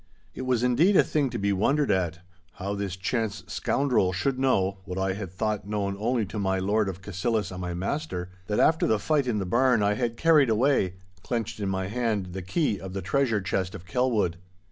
It was indeed a thing to be wondered at, how this chance scoundrel should know (what I had thought known only to my Lord of Cassillis and my master) that after the fight in the barn I had carried away, clenched in my hand, the key of the treasure chest of Kelwood.